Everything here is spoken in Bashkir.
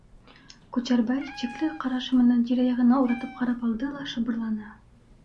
Күчәрбай шикле ҡараш менән тирә-яғына уратып ҡарап алды ла шыбырланы: